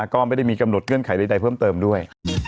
ก็ไม่ได้มีกำหนดเงื่อนไขใดเพิ่มเติมด้วย